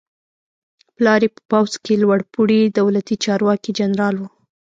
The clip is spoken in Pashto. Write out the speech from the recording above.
پلار یې په پوځ کې لوړ پوړی دولتي چارواکی جنرال و.